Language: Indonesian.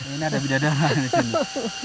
ini ada bidadara disini